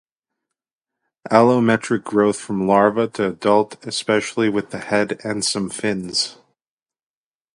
Allometric growth from larva to adult especially with the head and some fins.